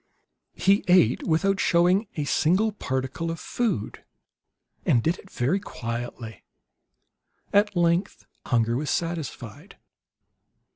He ate without showing a single particle of food, and did it very quietly. At length hunger was satisfied.